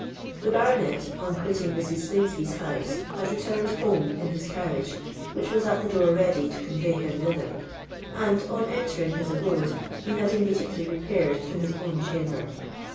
The baronet, on quitting Mrs. Slingsby's house, had returned home in his carriage, which was at the door ready to convey him thither; and, on entering his abode, he had immediately repaired to his own chamber.